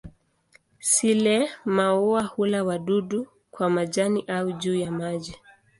Sile-maua hula wadudu kwa majani na juu ya maji.